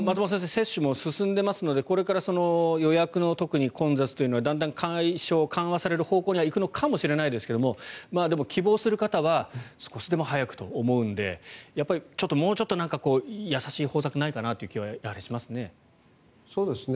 接種も進んでいますのでこれから予約の特に混雑というのはだんだん解消、緩和される方向に行くのかもしれないですがでも、希望する方は少しでも早くと思うのでもうちょっと優しい方策がないのかなという気はしますね。